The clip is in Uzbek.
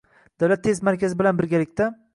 Davlat test markazi bilan birgalikda